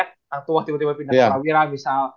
tang tua tiba tiba pindah ke palawira misal